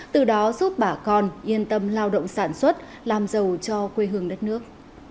từ đó giúp bà con yên tâm lao động sản xuất làm giàu cho quê hương đất nước